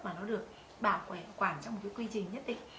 mà nó được bảo quản trong một cái quy trình nhất định